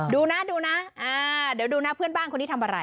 ดูนะดูนะเดี๋ยวดูนะเพื่อนบ้านคนนี้ทำอะไร